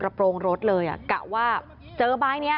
กระทั่งตำรวจก็มาด้วยนะคะ